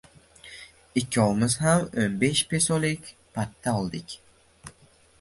Ikkovimiz ham o’n besh pesolik patta oldik!